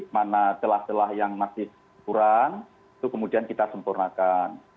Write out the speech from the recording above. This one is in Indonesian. mana celah celah yang masih kurang itu kemudian kita sempurnakan